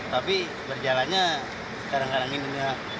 tapi berjalannya sekarang kadang ini ya